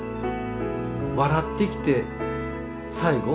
笑って生きて最期